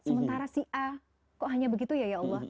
sementara si a kok hanya begitu ya ya allah